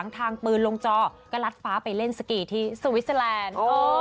ทางปืนลงจอก็ลัดฟ้าไปเล่นสกีที่สวิสเตอร์แลนด์